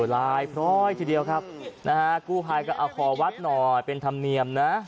ลายพร้อยทีเดียวครับนะฮะกู้ภัยก็เอาขอวัดหน่อยเป็นธรรมเนียมนะ